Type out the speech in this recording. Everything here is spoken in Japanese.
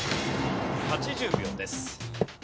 ８０秒です。